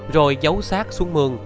rồi giấu sát xuống mương